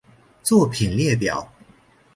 作品列表